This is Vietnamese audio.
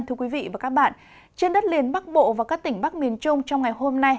thưa quý vị và các bạn trên đất liền bắc bộ và các tỉnh bắc miền trung trong ngày hôm nay